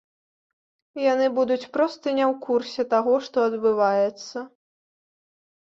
Яны будуць проста не ў курсе таго, што адбываецца.